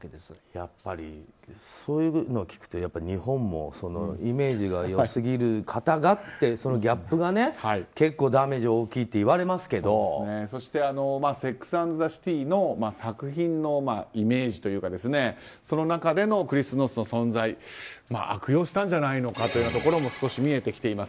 やっぱり、そういうのを聞くと日本もイメージが良すぎる方がっていうそのギャップが結構ダメージが大きいって「セックス・アンド・ザ・シティ」の作品のイメージというかその中でのクリス・ノースの存在を悪用したんじゃないのかというところも少し見えてきています。